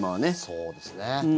そうですね。